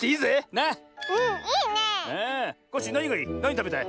なにたべたい？